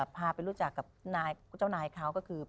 พาไปรู้จักกับนายเจ้านายเขาก็คือ